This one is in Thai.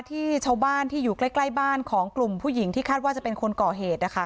ที่ชาวบ้านที่อยู่ใกล้บ้านของกลุ่มผู้หญิงที่คาดว่าจะเป็นคนก่อเหตุ